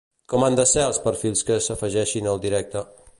Com han de ser els perfils que s'afegeixin al directe?